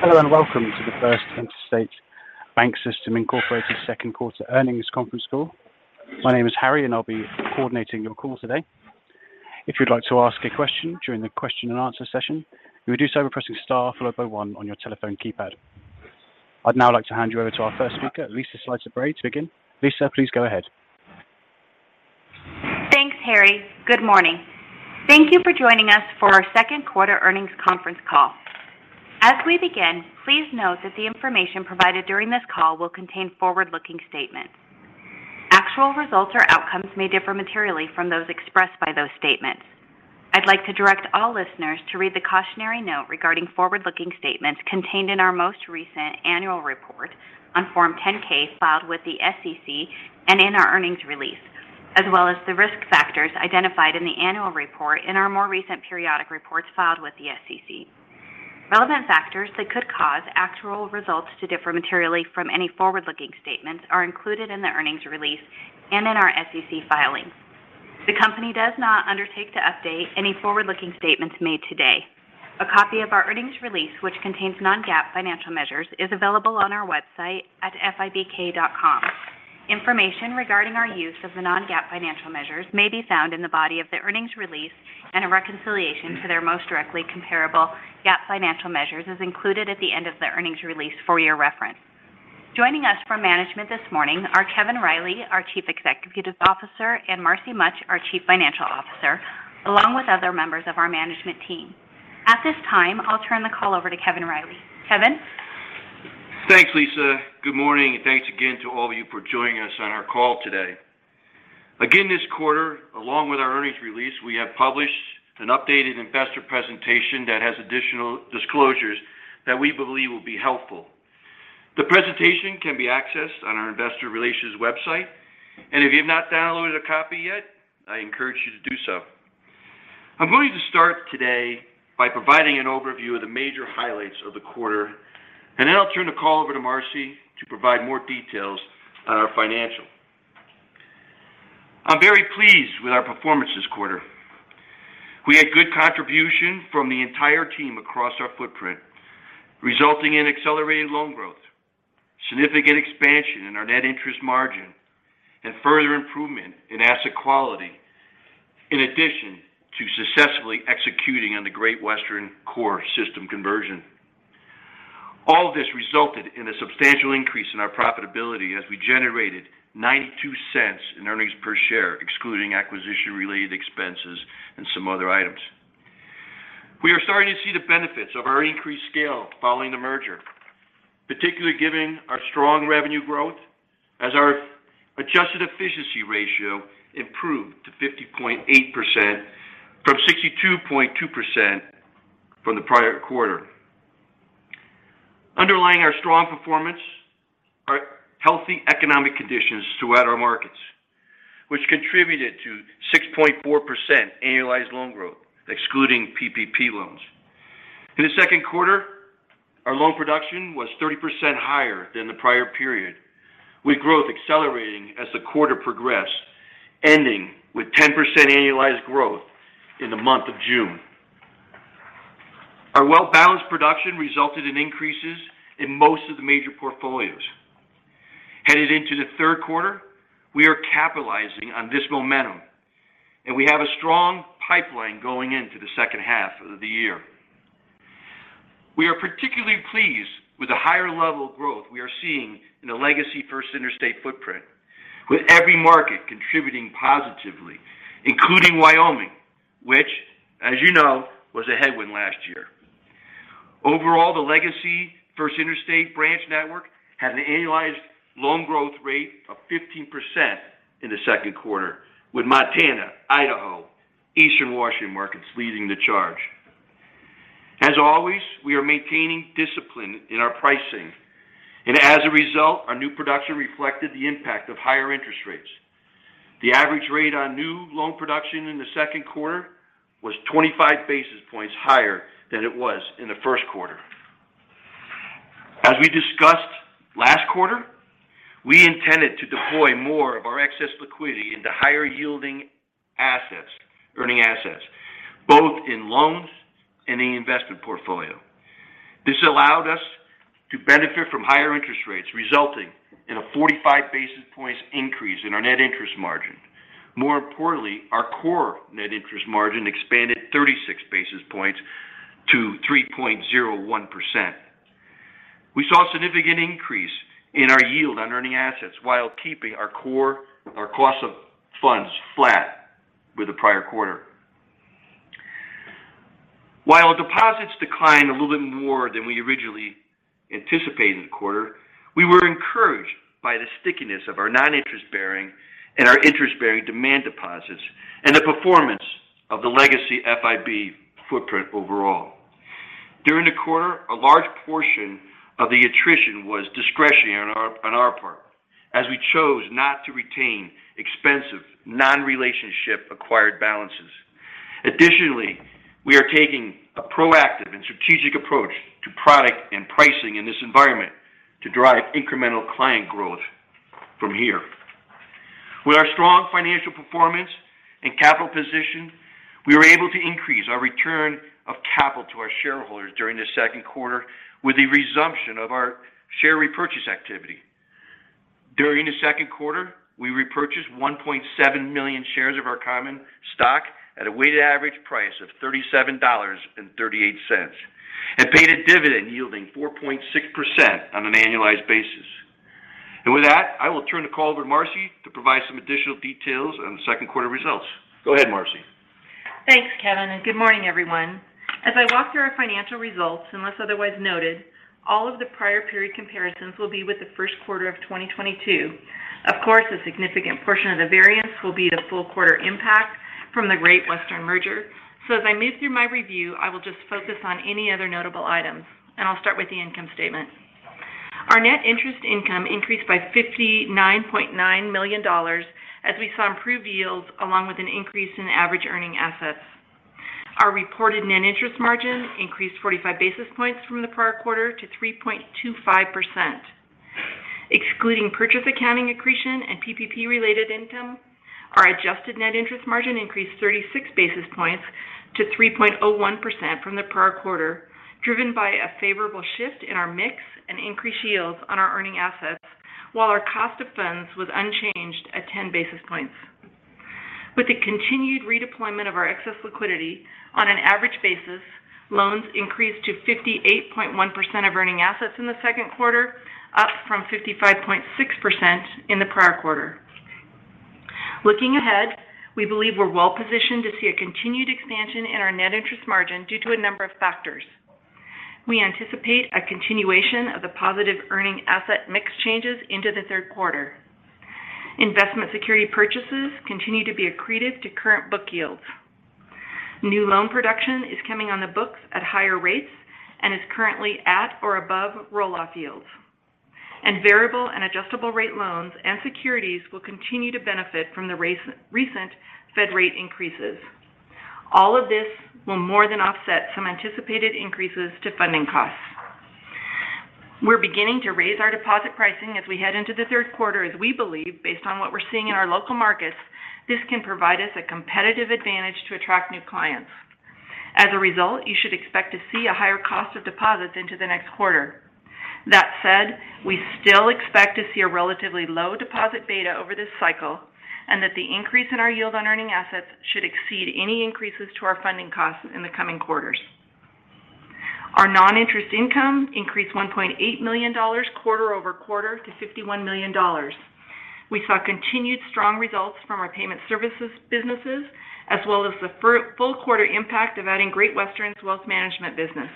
Hello, and welcome to the First Interstate BancSystem Incorporated Second Quarter Earnings Conference Call. My name is Harry, and I'll be coordinating your call today. If you'd like to ask a question during the question and answer session, you will do so by pressing star followed by one on your telephone keypad. I'd now like to hand you over to our first speaker, Lisa Slyter-Bray to begin. Lisa, please go ahead. Thanks, Harry. Good morning. Thank you for joining us for our Second Quarter Earnings Conference Call. As we begin, please note that the information provided during this call will contain forward-looking statements. Actual results or outcomes may differ materially from those expressed by those statements. I'd like to direct all listeners to read the cautionary note regarding forward-looking statements contained in our most recent annual report on Form 10-K filed with the SEC and in our earnings release, as well as the risk factors identified in the annual report in our more recent periodic reports filed with the SEC. Relevant factors that could cause actual results to differ materially from any forward-looking statements are included in the earnings release and in our SEC filings. The company does not undertake to update any forward-looking statements made today. A copy of our earnings release, which contains non-GAAP financial measures, is available on our website at fibk.com. Information regarding our use of the non-GAAP financial measures may be found in the body of the earnings release and a reconciliation to their most directly comparable GAAP financial measures is included at the end of the earnings release for your reference. Joining us from management this morning are Kevin Riley, our Chief Executive Officer, and Marcy Mutch, our Chief Financial Officer, along with other members of our management team. At this time, I'll turn the call over to Kevin Riley. Kevin? Thanks, Lisa. Good morning, and thanks again to all of you for joining us on our call today. Again, this quarter, along with our earnings release, we have published an updated investor presentation that has additional disclosures that we believe will be helpful. The presentation can be accessed on our investor relations website, and if you've not downloaded a copy yet, I encourage you to do so. I'm going to start today by providing an overview of the major highlights of the quarter, and then I'll turn the call over to Marcy to provide more details on our financials. I'm very pleased with our performance this quarter. We had good contribution from the entire team across our footprint, resulting in accelerated loan growth, significant expansion in our net interest margin, and further improvement in asset quality. In addition to successfully executing on the Great Western core system conversion. All this resulted in a substantial increase in our profitability as we generated $0.92 in earnings per share, excluding acquisition-related expenses and some other items. We are starting to see the benefits of our increased scale following the merger, particularly given our strong revenue growth as our adjusted efficiency ratio improved to 50.8% from 62.2% in the prior quarter. Underlying our strong performance are healthy economic conditions throughout our markets, which contributed to 6.4% annualized loan growth, excluding PPP loans. In the second quarter, our loan production was 30% higher than the prior period, with growth accelerating as the quarter progressed, ending with 10% annualized growth in the month of June. Our well-balanced production resulted in increases in most of the major portfolios. Headed into the third quarter, we are capitalizing on this momentum, and we have a strong pipeline going into the second half of the year. We are particularly pleased with the higher level of growth we are seeing in the legacy First Interstate footprint, with every market contributing positively, including Wyoming, which, as you know, was a headwind last year. Overall, the legacy First Interstate branch network had an annualized loan growth rate of 15% in the second quarter, with Montana, Idaho, Eastern Washington markets leading the charge. As always, we are maintaining discipline in our pricing, and as a result, our new production reflected the impact of higher interest rates. The average rate on new loan production in the second quarter was 25 basis points higher than it was in the first quarter. As we discussed last quarter, we intended to deploy more of our excess liquidity into higher-yielding assets, earning assets, both in loans and in the investment portfolio. This allowed us to benefit from higher interest rates, resulting in a 45 basis points increase in our net interest margin. More importantly, our core net interest margin expanded 36 basis points to 3.01%. We saw a significant increase in our yield on earning assets while keeping our cost of funds flat with the prior quarter. While deposits declined a little bit more than we originally anticipated in the quarter, we were encouraged by the stickiness of our non-interest-bearing and our interest-bearing demand deposits and the performance of the legacy FIBK footprint overall. During the quarter, a large portion of the attrition was discretionary on our part as we chose not to retain expensive non-relationship acquired balances. Additionally, we are taking a proactive and strategic approach to product and pricing in this environment to drive incremental client growth from here. With our strong financial performance and capital position, we were able to increase our return of capital to our shareholders during the second quarter with a resumption of our share repurchase activity. During the second quarter, we repurchased 1.7 million shares of our common stock at a weighted average price of $37.38, and paid a dividend yielding 4.6% on an annualized basis. With that, I will turn the call over to Marcy to provide some additional details on the second quarter results. Go ahead, Marcy. Thanks, Kevin, and good morning, everyone. As I walk through our financial results, unless otherwise noted, all of the prior period comparisons will be with the first quarter of 2022. Of course, a significant portion of the variance will be the full quarter impact from the Great Western merger. As I move through my review, I will just focus on any other notable items, and I'll start with the income statement. Our net interest income increased by $59.9 million as we saw improved yields along with an increase in average earning assets. Our reported net interest margin increased 45 basis points from the prior quarter to 3.25%. Excluding purchase accounting accretion and PPP-related income, our adjusted net interest margin increased 36 basis points to 3.01% from the prior quarter, driven by a favorable shift in our mix and increased yields on our earning assets, while our cost of funds was unchanged at 10 basis points. With the continued redeployment of our excess liquidity on an average basis, loans increased to 58.1% of earning assets in the second quarter, up from 55.6% in the prior quarter. Looking ahead, we believe we're well-positioned to see a continued expansion in our net interest margin due to a number of factors. We anticipate a continuation of the positive earning asset mix changes into the third quarter. Investment security purchases continue to be accreted to current book yields. New loan production is coming on the books at higher rates and is currently at or above roll off yields. Variable and adjustable rate loans and securities will continue to benefit from the recent Fed rate increases. All of this will more than offset some anticipated increases to funding costs. We're beginning to raise our deposit pricing as we head into the third quarter, as we believe based on what we're seeing in our local markets, this can provide us a competitive advantage to attract new clients. As a result, you should expect to see a higher cost of deposits into the next quarter. That said, we still expect to see a relatively low deposit beta over this cycle and that the increase in our yield on earning assets should exceed any increases to our funding costs in the coming quarters. Our non-interest income increased $1.8 million quarter-over-quarter to $51 million. We saw continued strong results from our payment services businesses, as well as the full quarter impact of adding Great Western's wealth management business.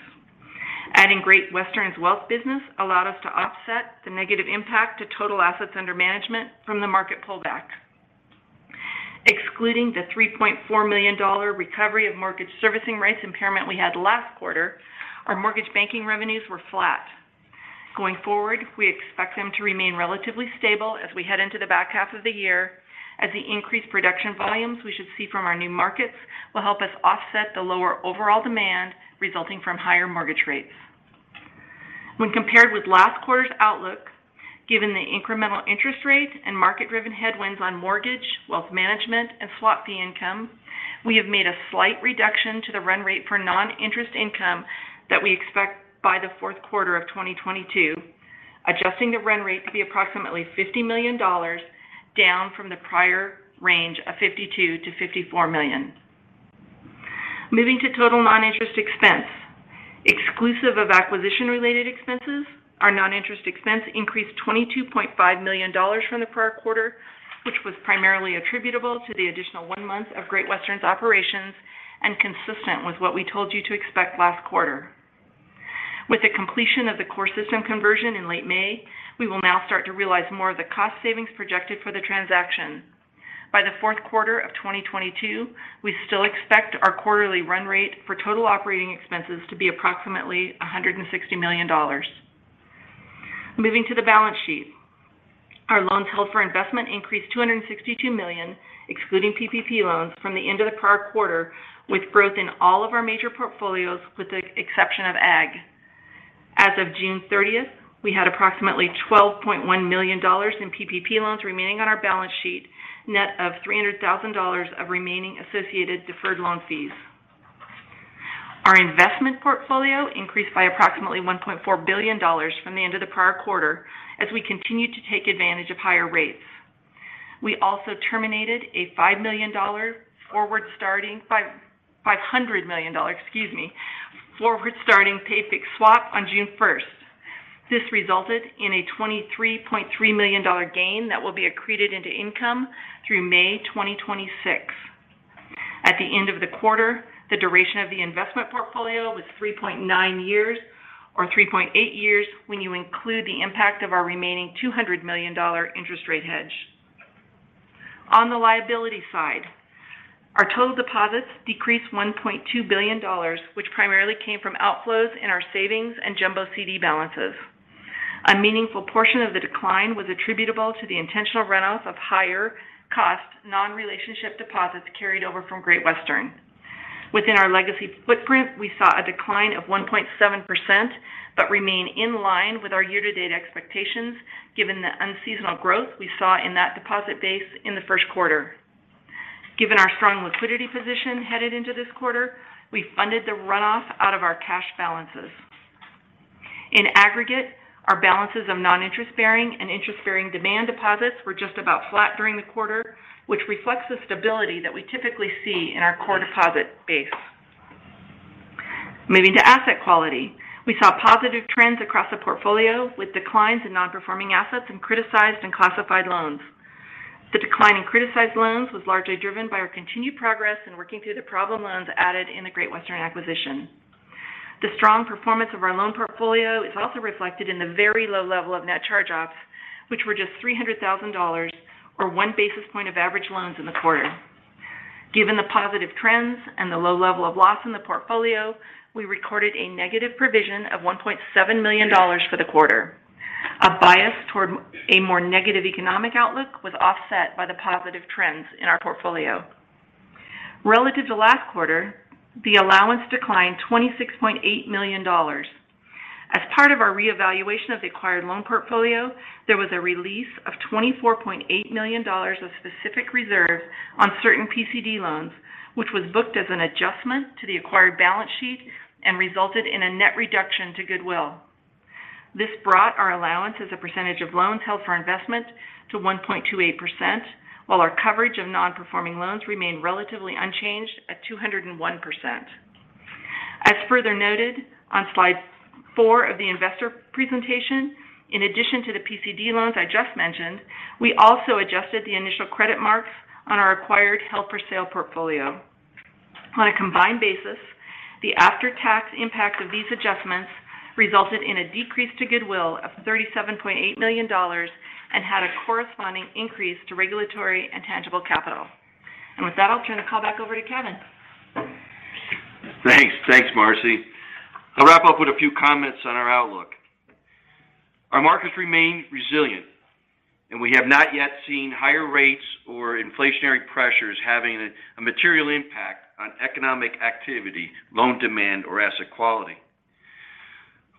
Adding Great Western's wealth business allowed us to offset the negative impact to total assets under management from the market pullback. Excluding the $3.4 million recovery of mortgage servicing rights impairment we had last quarter, our mortgage banking revenues were flat. Going forward, we expect them to remain relatively stable as we head into the back half of the year, as the increased production volumes we should see from our new markets will help us offset the lower overall demand resulting from higher mortgage rates. When compared with last quarter's outlook, given the incremental interest rate and market-driven headwinds on mortgage, wealth management, and swap fee income, we have made a slight reduction to the run rate for non-interest income that we expect by the fourth quarter of 2022, adjusting the run rate to be approximately $50 million down from the prior range of $52 million-$54 million. Moving to total non-interest expense. Exclusive of acquisition-related expenses, our non-interest expense increased $22.5 million from the prior quarter, which was primarily attributable to the additional one month of Great Western's operations and consistent with what we told you to expect last quarter. With the completion of the core system conversion in late May, we will now start to realize more of the cost savings projected for the transaction. By the fourth quarter of 2022, we still expect our quarterly run rate for total operating expenses to be approximately $160 million. Moving to the balance sheet. Our loans held for investment increased $262 million, excluding PPP loans from the end of the prior quarter, with growth in all of our major portfolios, with the exception of ag. As of June 30, we had approximately $12.1 million in PPP loans remaining on our balance sheet, net of $300,000 of remaining associated deferred loan fees. Our investment portfolio increased by approximately $1.4 billion from the end of the prior quarter as we continued to take advantage of higher rates. We also terminated a $500 million forward-starting pay-fixed swap on June 1st. This resulted in a $23.3 million gain that will be accreted into income through May 2026. At the end of the quarter, the duration of the investment portfolio was 3.9 years or 3.8 years when you include the impact of our remaining $200 million interest rate hedge. On the liability side, our total deposits decreased $1.2 billion, which primarily came from outflows in our savings and jumbo CD balances. A meaningful portion of the decline was attributable to the intentional runoffs of higher cost non-relationship deposits carried over from Great Western. Within our legacy footprint, we saw a decline of 1.7%, but remain in line with our year-to-date expectations given the unseasonal growth we saw in that deposit base in the first quarter. Given our strong liquidity position headed into this quarter, we funded the runoff out of our cash balances. In aggregate, our balances of non-interest-bearing and interest-bearing demand deposits were just about flat during the quarter, which reflects the stability that we typically see in our core deposit base. Moving to asset quality, we saw positive trends across the portfolio with declines in non-performing assets and criticized and classified loans. The decline in criticized loans was largely driven by our continued progress in working through the problem loans added in the Great Western acquisition. The strong performance of our loan portfolio is also reflected in the very low level of net charge-offs, which were just $300,000 or one basis point of average loans in the quarter. Given the positive trends and the low level of loss in the portfolio, we recorded a negative provision of $1.7 million for the quarter. A bias toward a more negative economic outlook was offset by the positive trends in our portfolio. Relative to last quarter, the allowance declined $26.8 million. As part of our reevaluation of the acquired loan portfolio, there was a release of $24.8 million of specific reserves on certain PCD loans, which was booked as an adjustment to the acquired balance sheet and resulted in a net reduction to goodwill. This brought our allowance as a percentage of loans held for investment to 1.28%, while our coverage of non-performing loans remained relatively unchanged at 201%. As further noted on slide four of the investor presentation, in addition to the PCD loans I just mentioned, we also adjusted the initial credit marks on our acquired held-for-sale portfolio. On a combined basis, the after-tax impact of these adjustments resulted in a decrease to goodwill of $37.8 million and had a corresponding increase to regulatory and tangible capital. With that, I'll turn the call back over to Kevin. Thanks. Thanks, Marcy. I'll wrap up with a few comments on our outlook. Our markets remain resilient, and we have not yet seen higher rates or inflationary pressures having a material impact on economic activity, loan demand, or asset quality.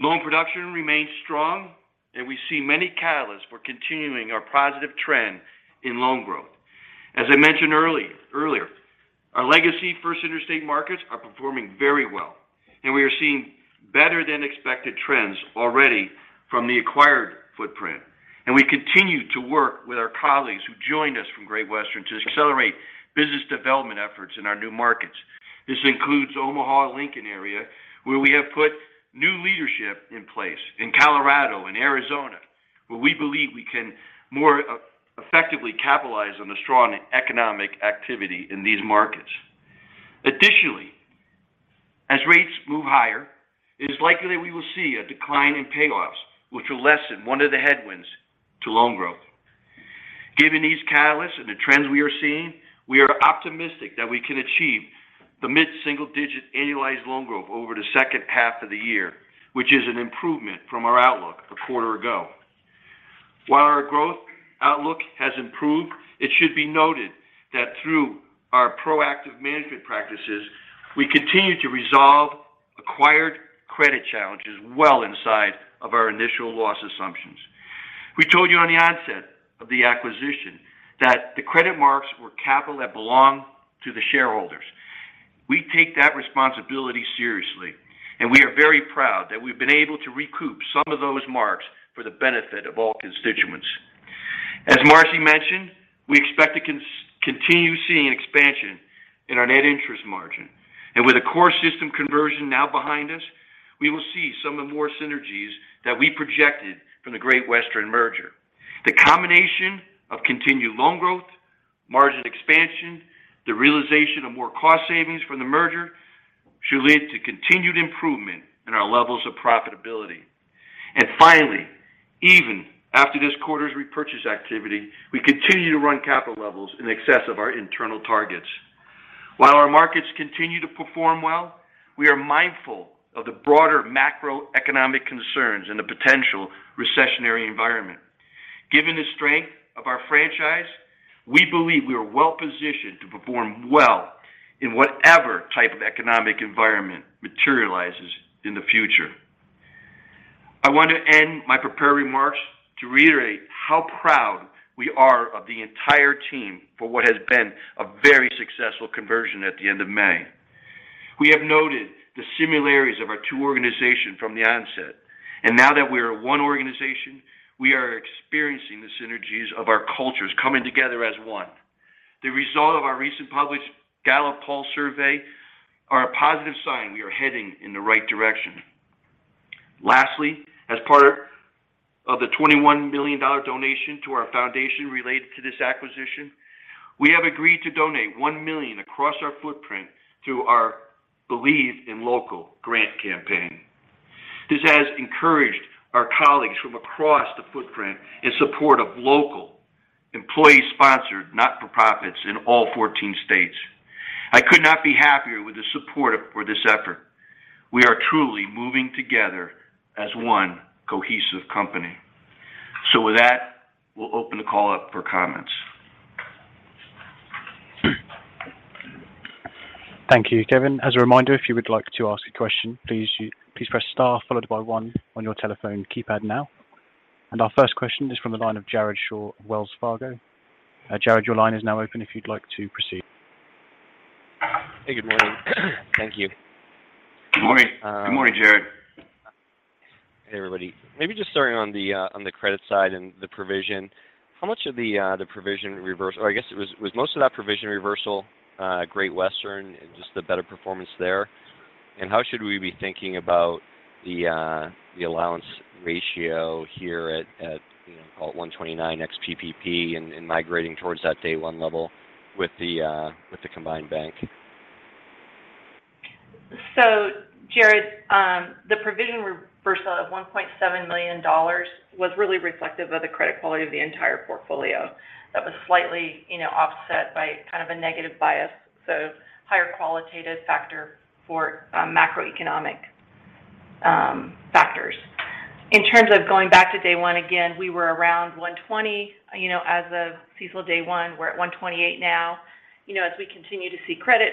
Loan production remains strong, and we see many catalysts for continuing our positive trend in loan growth. As I mentioned earlier, our legacy First Interstate markets are performing very well, and we are seeing better-than-expected trends already from the acquired footprint. We continue to work with our colleagues who joined us from Great Western to accelerate business development efforts in our new markets. This includes Omaha and Lincoln area, where we have put new leadership in place in Colorado and Arizona, where we believe we can more effectively capitalize on the strong economic activity in these markets. Additionally, as rates move higher, it is likely we will see a decline in payoffs, which will lessen one of the headwinds to loan growth. Given these catalysts and the trends we are seeing, we are optimistic that we can achieve the mid-single-digit annualized loan growth over the second half of the year, which is an improvement from our outlook a quarter ago. While our growth outlook has improved, it should be noted that through our proactive management practices, we continue to resolve acquired credit challenges well inside of our initial loss assumptions. We told you on the onset of the acquisition that the credit marks were capital that belonged to the shareholders. We take that responsibility seriously, and we are very proud that we've been able to recoup some of those marks for the benefit of all constituents. As Marcy mentioned, we expect to continue seeing expansion in our net interest margin. With the core system conversion now behind us, we will see some of the more synergies that we projected from the Great Western merger. The combination of continued loan growth, margin expansion, the realization of more cost savings from the merger should lead to continued improvement in our levels of profitability. Finally, even after this quarter's repurchase activity, we continue to run capital levels in excess of our internal targets. While our markets continue to perform well, we are mindful of the broader macroeconomic concerns and the potential recessionary environment. Given the strength of our franchise, we believe we are well-positioned to perform well in whatever type of economic environment materializes in the future. I want to end my prepared remarks to reiterate how proud we are of the entire team for what has been a very successful conversion at the end of May. We have noted the similarities of our two organizations from the onset, and now that we are one organization, we are experiencing the synergies of our cultures coming together as one. The result of our recent published Gallup poll survey are a positive sign we are heading in the right direction. Lastly, as part of the $21 million donation to our foundation related to this acquisition, we have agreed to donate $1 million across our footprint through our Believe in Local grant campaign. This has encouraged our colleagues from across the footprint in support of local employee-sponsored not-for-profits in all 14 states. I could not be happier with the support for this effort. We are truly moving together as one cohesive company. With that, we'll open the call up for comments. Thank you, Kevin. As a reminder, if you would like to ask a question, please press star followed by one on your telephone keypad now. Our first question is from the line of Jared Shaw, Wells Fargo. Jared, your line is now open if you'd like to proceed. Hey, good morning. Thank you. Good morning. Um. Good morning, Jared. Hey, everybody. Maybe just starting on the credit side and the provision. How much of the provision reversal? Or I guess it was most of that provision reversal, Great Western and just the better performance there? How should we be thinking about the allowance ratio here at, you know, call it 1.29 ex-PPP and migrating towards that day one level with the combined bank? Jared, the provision reversal of $1.7 million was really reflective of the credit quality of the entire portfolio. That was slightly, you know, offset by kind of a negative bias. Higher qualitative factor for macroeconomic factors. In terms of going back to day one, again, we were around 120, you know, as of CECL day one. We're at 128 now. You know, as we continue to see credit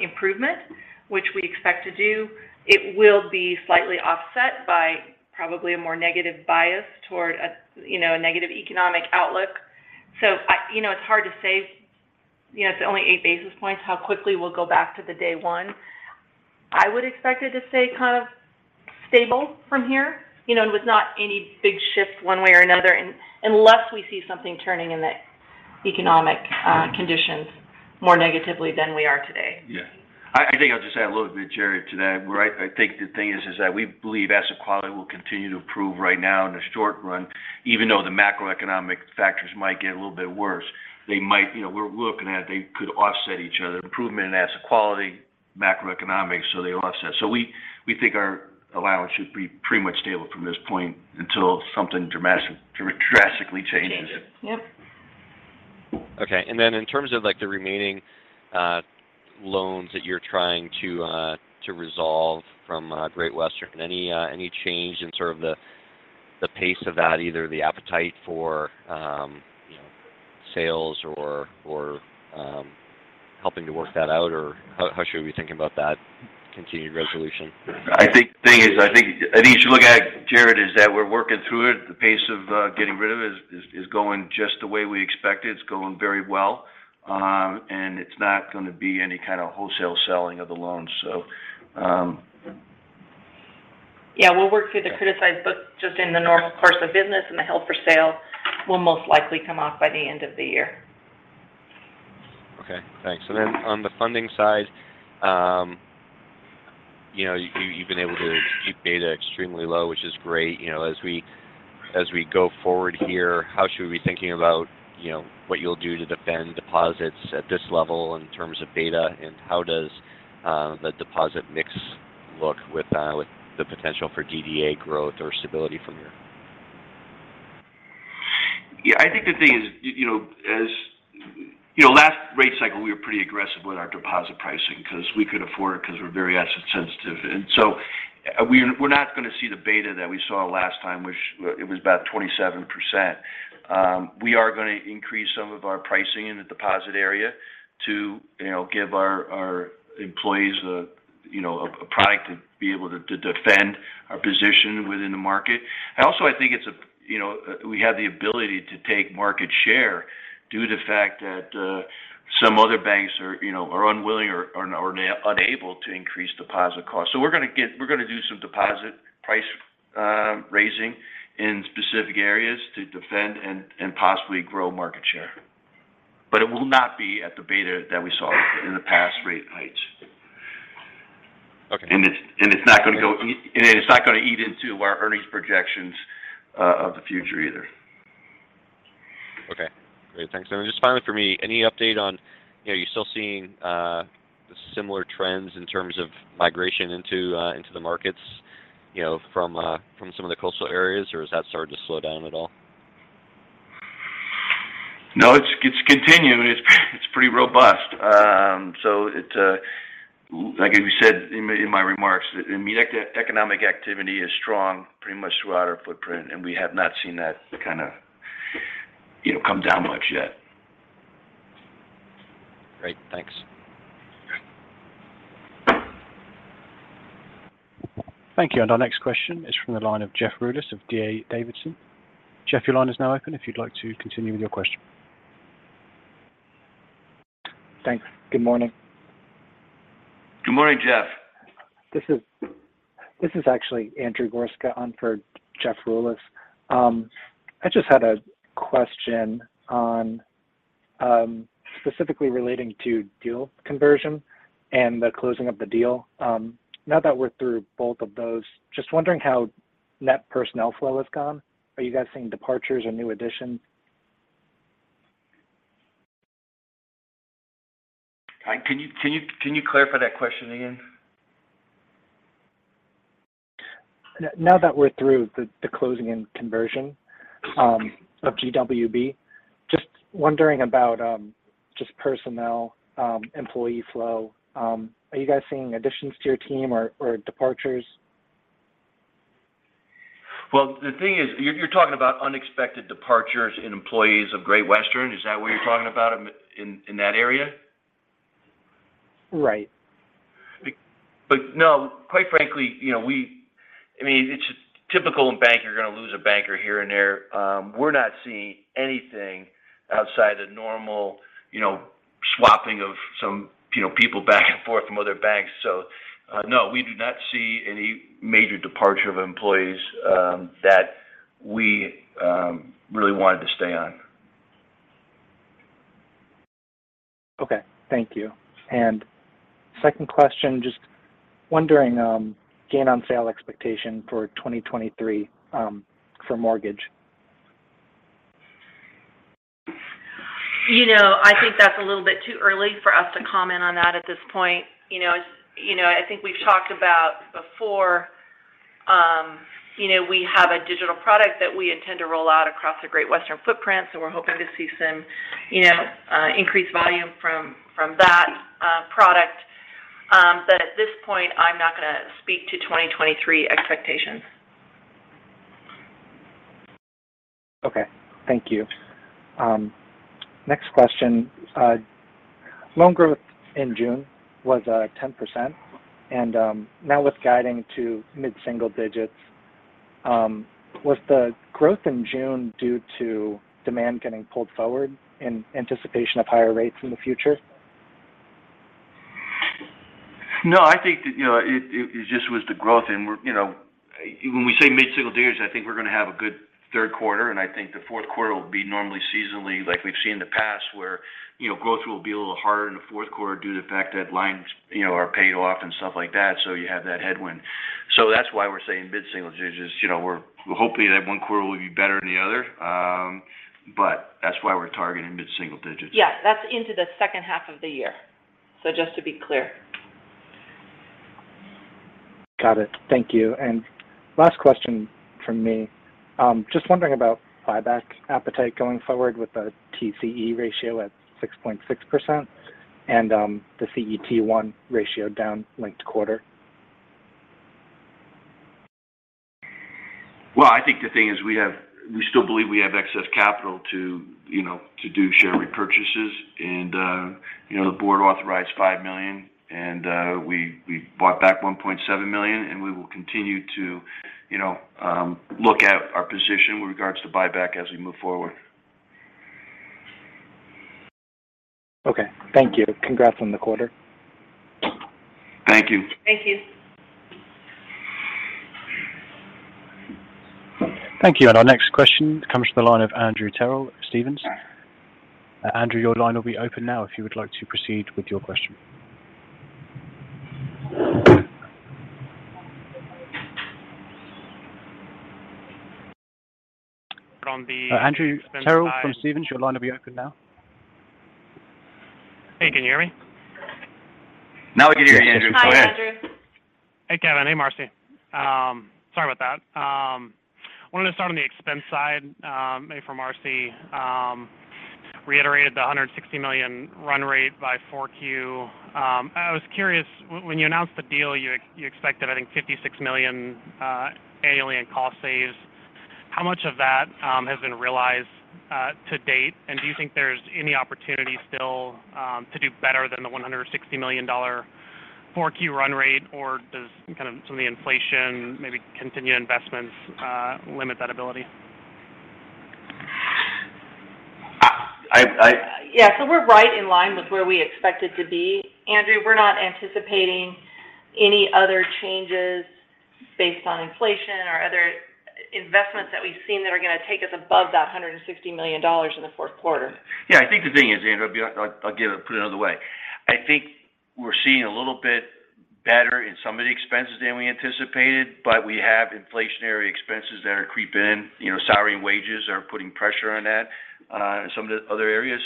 improvement, which we expect to do, it will be slightly offset by probably a more negative bias toward a, you know, a negative economic outlook. You know, it's hard to say, you know, it's only eight basis points how quickly we'll go back to the day one. I would expect it to stay kind of stable from here. You know, with not any big shift one way or another unless we see something turning in the economic conditions more negatively than we are today. Yeah. I think I'll just add a little bit, Jared, to that, where I think the thing is that we believe asset quality will continue to improve right now in the short run, even though the macroeconomic factors might get a little bit worse. They might, you know, we're looking at they could offset each other. Improvement in asset quality, macroeconomics, so they offset. We think our allowance should be pretty much stable from this point until something dramatic, drastically changes. Changes. Yep. Okay. In terms of like the remaining loans that you're trying to resolve from Great Western, any change in sort of the pace of that, either the appetite for you know sales or helping to work that out, or how should we be thinking about that continued resolution? I think the thing is, you should look at, Jared, is that we're working through it. The pace of getting rid of it is going just the way we expected. It's going very well. It's not gonna be any kind of wholesale selling of the loans. Yeah, we'll work through the criticized book just in the normal course of business, and the held for sale will most likely come off by the end of the year. Okay. Thanks. On the funding side, you know, you've been able to keep beta extremely low, which is great. You know, as we go forward here, how should we be thinking about, you know, what you'll do to defend deposits at this level in terms of beta? How does the deposit mix look with the potential for DDA growth or stability from here? Yeah, I think the thing is, you know, last rate cycle, we were pretty aggressive with our deposit pricing because we could afford it because we're very asset sensitive. We're not gonna see the beta that we saw last time, which it was about 27%. We are gonna increase some of our pricing in the deposit area to, you know, give our employees a, you know, a product to be able to defend our position within the market. I think it's a, you know, we have the ability to take market share due to the fact that some other banks are, you know, are unwilling or unable to increase deposit costs. We're gonna do some deposit price raising in specific areas to defend and possibly grow market share. It will not be at the beta that we saw in the past rate hikes. Okay. It's not gonna eat into our earnings projections of the future either. Okay. Great. Thanks. Just finally for me, any update on, you know, are you still seeing the similar trends in terms of migration into the markets, you know, from some of the coastal areas, or has that started to slow down at all? No, it's continuing. It's pretty robust. Like I said in my remarks, the economic activity is strong pretty much throughout our footprint, and we have not seen that kind of, you know, come down much yet. Great. Thanks. Okay. Thank you. Our next question is from the line of Jeff Rulis of D.A. Davidson. Jeff, your line is now open if you'd like to continue with your question. Thanks. Good morning. Good morning, Jeff. This is actually Andrew Gorska on for Jeff Rulis. I just had a question on specifically relating to deal conversion and the closing of the deal. Now that we're through both of those, just wondering how net personnel flow has gone. Are you guys seeing departures or new additions? Can you clarify that question again? Now that we're through the closing and conversion of GWB. Wondering about just personnel, employee flow. Are you guys seeing additions to your team or departures? Well, the thing is, you're talking about unexpected departures in employees of Great Western. Is that what you're talking about in that area? Right. No, quite frankly, you know, I mean, it's just typical in banking, you're gonna lose a banker here and there. We're not seeing anything outside the normal, you know, swapping of some, you know, people back and forth from other banks. No, we do not see any major departure of employees that we really wanted to stay on. Okay. Thank you. Second question, just wondering, gain on sale expectation for 2023, for mortgage? You know, I think that's a little bit too early for us to comment on that at this point. You know, as you know, I think we've talked about before, you know, we have a digital product that we intend to roll out across the Great Western footprint, so we're hoping to see some, you know, increased volume from that product. But at this point, I'm not gonna speak to 2023 expectations. Okay. Thank you. Next question. Loan growth in June was 10% and now with guiding to mid-single digits, was the growth in June due to demand getting pulled forward in anticipation of higher rates in the future? No, I think that, you know, it just was the growth and we're, you know. When we say mid-single digits, I think we're gonna have a good third quarter, and I think the fourth quarter will be normally seasonally like we've seen in the past where, you know, growth will be a little harder in the fourth quarter due to the fact that lines, you know, are paid off and stuff like that, so you have that headwind. That's why we're saying mid-single digits. You know, we're hoping that one quarter will be better than the other, but that's why we're targeting mid-single digits. Yeah. That's into the second half of the year. Just to be clear. Got it. Thank you. Last question from me. Just wondering about buyback appetite going forward with the TCE ratio at 6.6% and the CET1 ratio down linked quarter. Well, I think the thing is we still believe we have excess capital to, you know, to do share repurchases. You know, the board authorized five million, and we bought back 1.7 million, and we will continue to, you know, look at our position with regards to buyback as we move forward. Okay. Thank you. Congrats on the quarter. Thank you. Thank you. Thank you. Our next question comes from the line of Andrew Terrell, Stephens. Andrew, your line will be open now if you would like to proceed with your question. From the- Andrew Terrell from Stephens, your line will be open now. Hey, can you hear me? Now we can hear you, Andrew. Go ahead. Hi, Andrew. Hey, Kevin. Hey, Marcy. Sorry about that. Wanted to start on the expense side, maybe for Marcy. Reiterated the $160 million run rate by 4Q. I was curious, when you announced the deal, you expected, I think $56 million annually in cost savings. How much of that has been realized to date? And do you think there's any opportunity still to do better than the $160 million 4Q run rate, or does kind of some of the inflation maybe continue investments limit that ability? I, I- Yeah. We're right in line with where we expected to be. Andrew, we're not anticipating any other changes based on inflation or other investments that we've seen that are gonna take us above that $160 million in the fourth quarter. Yeah. I think the thing is, Andrew, I'll put it another way. I think we're seeing a little bit better in some of the expenses than we anticipated, but we have inflationary expenses that are creeping in. You know, salary and wages are putting pressure on that, and some of the other areas.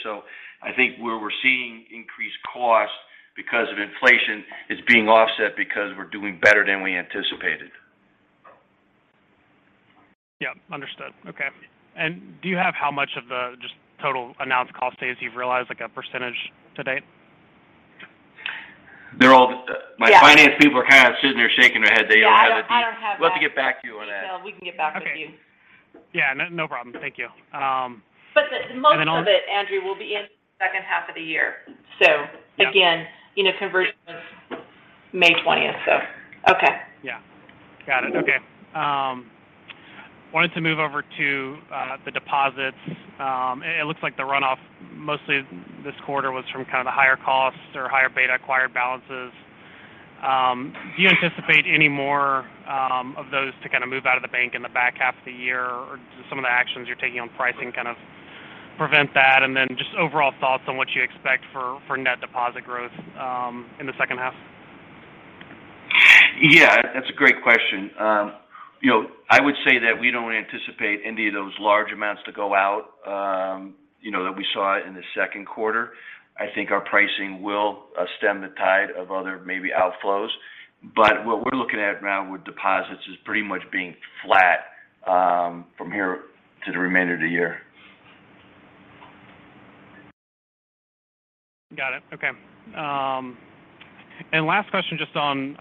I think where we're seeing increased costs because of inflation is being offset because we're doing better than we anticipated. Yeah. Understood. Okay. Do you have how much of the just total announced cost savings you've realized, like a percentage to date? They're all. Yeah. My finance people are kind of sitting there shaking their head. Yeah. I don't have that. We'll have to get back to you on that. Detail. We can get back to you. Okay. Yeah. No, no problem. Thank you. The most of it, Andrew, will be in the second half of the year. Yeah. Again, you know, conversion was May 20th. Okay. Yeah. Got it. Okay. Wanted to move over to the deposits. It looks like the runoff mostly this quarter was from kind of the higher costs or higher beta acquired balances. Do you anticipate any more of those to kind of move out of the bank in the back half of the year, or do some of the actions you're taking on pricing kind of prevent that? Then just overall thoughts on what you expect for net deposit growth in the second half. Yeah, that's a great question. You know, I would say that we don't anticipate any of those large amounts to go out, you know, that we saw in the second quarter. I think our pricing will stem the tide of other maybe outflows. What we're looking at now with deposits is pretty much being flat, from here to the remainder of the year. Got it. Okay. Last question just on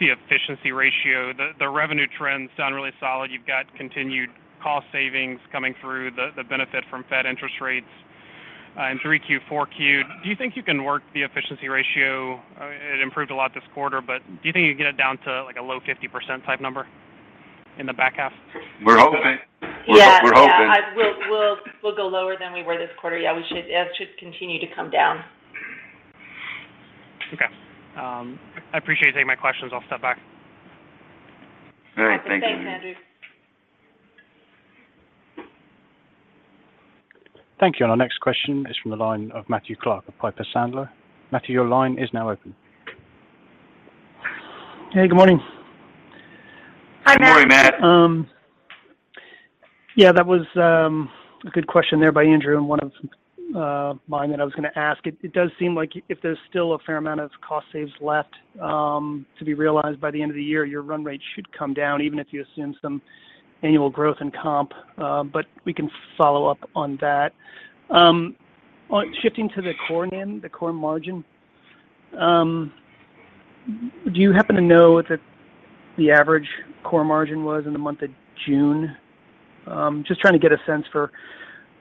the efficiency ratio. The revenue trends sound really solid. You've got continued cost savings coming through the benefit from Fed interest rates in 3Q, 4Q. Do you think you can work the efficiency ratio? It improved a lot this quarter, but do you think you can get it down to, like, a low 50% type number in the back half? We're hoping. Yeah. We're hoping. Yeah, we'll go lower than we were this quarter. Yeah, we should. It should continue to come down. Okay. I appreciate you taking my questions. I'll step back. All right. Thank you. All right. Thanks, Andrew. Thank you. Our next question is from the line of Matthew Clark of Piper Sandler. Matthew, your line is now open. Hey, good morning. Hi, Matt. Good morning, Matt. Yeah, that was a good question there by Andrew. One of mine that I was gonna ask, it does seem like if there's still a fair amount of cost savings left to be realized by the end of the year, your run rate should come down, even if you assume some annual growth in comp. We can follow up on that. On shifting to the core NIM, the core margin. Do you happen to know what the average core margin was in the month of June? Just trying to get a sense for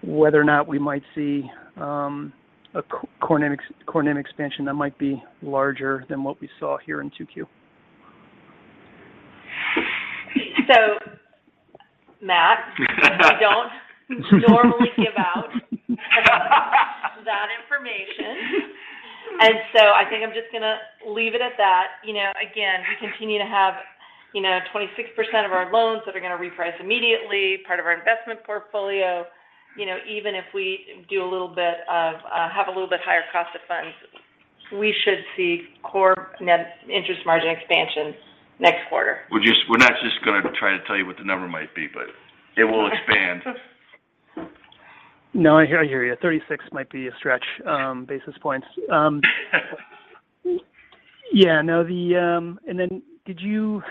whether or not we might see a core NIM expansion that might be larger than what we saw here in 2Q. Matt, we don't normally give out that information. I think I'm just gonna leave it at that. You know, again, we continue to have, you know, 26% of our loans that are gonna reprice immediately, part of our investment portfolio. You know, even if we have a little bit higher cost of funds, we should see core NIM interest margin expansion next quarter. We're not just gonna try to tell you what the number might be, but it will expand. No, I hear you. 36 might be a stretch, basis points. Yeah. No. The... Did you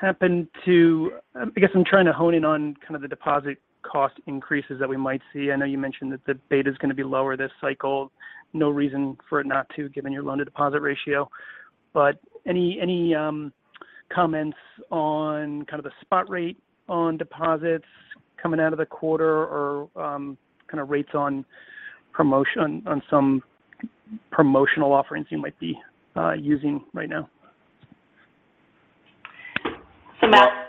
happen to... I guess I'm trying to hone in on kind of the deposit cost increases that we might see. I know you mentioned that the beta's gonna be lower this cycle. No reason for it not to, given your loan to deposit ratio. Any comments on kind of the spot rate on deposits coming out of the quarter or kind of rates on some promotional offerings you might be using right now? Matt. Well- Go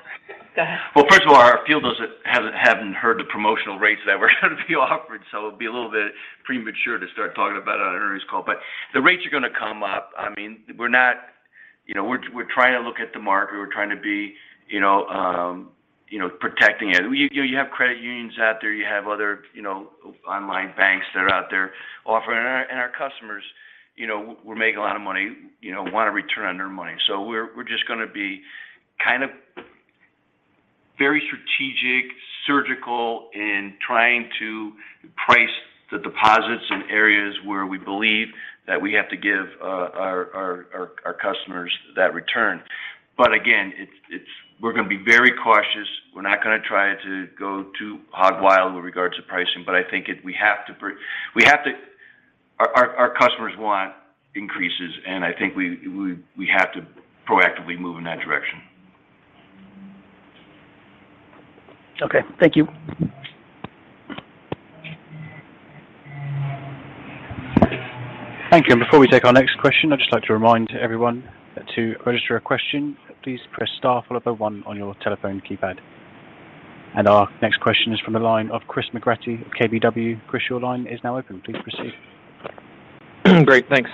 ahead. Well, first of all, our field hasn't heard the promotional rates that we're gonna be offering, so it'd be a little bit premature to start talking about it on an earnings call. The rates are gonna come up. I mean, we're not, you know, we're trying to look at the market. We're trying to be, you know, you know, protecting it. You have credit unions out there. You have other, you know, online banks that are out there offering. Our customers, you know, we're making a lot of money, you know, want a return on their money. We're just gonna be kind of very strategic, surgical in trying to price the deposits in areas where we believe that we have to give our customers that return. Again, we're gonna be very cautious. We're not gonna try to go too hog wild with regards to pricing, but I think we have to. Our customers want increases, and I think we have to proactively move in that direction. Okay. Thank you. Thank you. Before we take our next question, I'd just like to remind everyone that to register a question, please press star followed by one on your telephone keypad. Our next question is from the line of Chris McGratty of KBW. Chris, your line is now open. Please proceed. Great, thanks.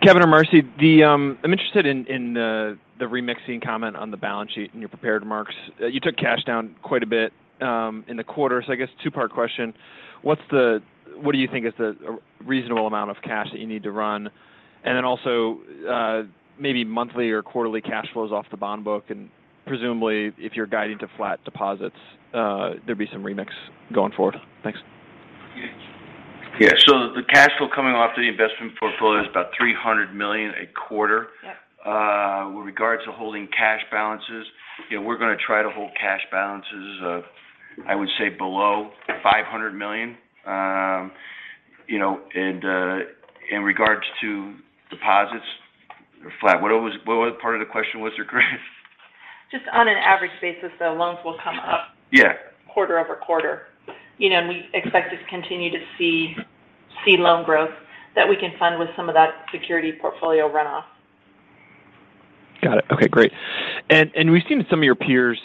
Kevin or Marcy, I'm interested in the remixing comment on the balance sheet in your prepared remarks. You took cash down quite a bit in the quarter. I guess two-part question. What do you think is the reasonable amount of cash that you need to run? And then also, maybe monthly or quarterly cash flows off the bond book, and presumably, if you're guiding to flat deposits, there'd be some remix going forward. Thanks. Yeah. The cash flow coming off the investment portfolio is about $300 million a quarter. Yep. With regards to holding cash balances, you know, we're gonna try to hold cash balances of, I would say, below $500 million. In regards to deposits or flat, what other part of the question was there, Chris? Just on an average basis, the loans will come up. Yeah Quarter-over-quarter. You know, we expect to continue to see loan growth that we can fund with some of that security portfolio runoff. Got it. Okay, great. We've seen some of your peers,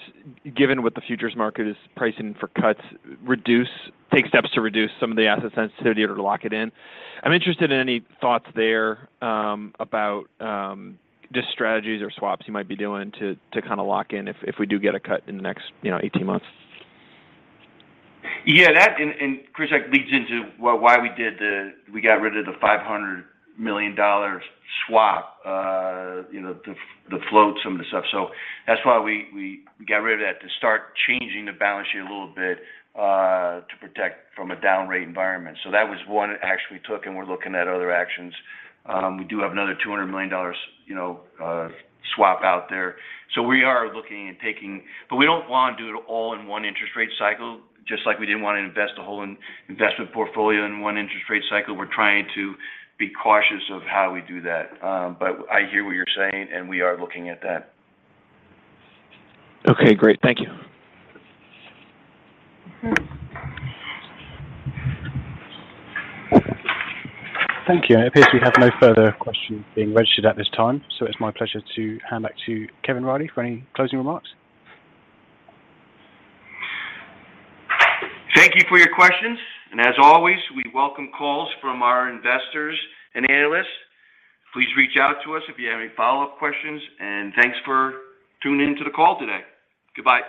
given what the futures market is pricing for cuts, take steps to reduce some of the asset sensitivity or to lock it in. I'm interested in any thoughts there about just strategies or swaps you might be doing to kind of lock in if we do get a cut in the next, you know, 18 months. Yeah, that and Chris, that leads into why we got rid of the $500 million swap, you know, to float some of the stuff. That's why we got rid of that to start changing the balance sheet a little bit, to protect from a down rate environment. That was one action we took, and we're looking at other actions. We do have another $200 million, you know, swap out there. We are looking and taking. But we don't wanna do it all in one interest rate cycle, just like we didn't want to invest a whole investment portfolio in one interest rate cycle. We're trying to be cautious of how we do that. I hear what you're saying, and we are looking at that. Okay, great. Thank you. Mm-hmm. Thank you. It appears we have no further questions being registered at this time, so it's my pleasure to hand back to Kevin Riley for any closing remarks. Thank you for your questions. As always, we welcome calls from our investors and analysts. Please reach out to us if you have any follow-up questions, and thanks for tuning in to the call today. Goodbye.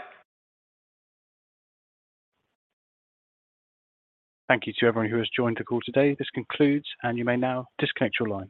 Thank you to everyone who has joined the call today. This concludes, and you may now disconnect your line.